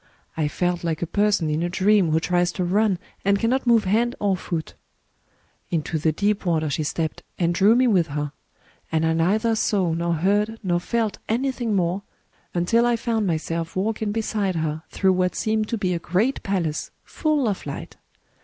I felt like a person in a dream who tries to run, and cannot move hand or foot. Into the deep water she stepped, and drew me with her; and I neither saw nor heard nor felt anything more until I found myself walking beside her through what seemed to be a great palace, full of light.